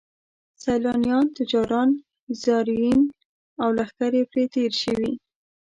سیلانیان، تجاران، زایرین او لښکرې پرې تېر شوي.